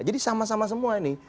jadi sama sama semua ini